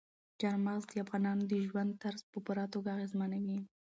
چار مغز د افغانانو د ژوند طرز په پوره توګه اغېزمنوي.